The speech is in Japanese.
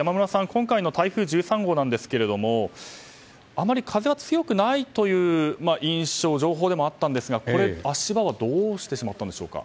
今回の台風１３号ですがあまり風は強くないという情報でもあったんですが足場はどうしてしまったんでしょうか。